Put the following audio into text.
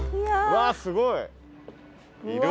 わっすごい！